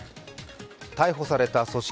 逮捕された組織